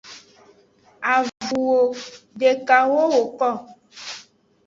Avunwo dekawo woko.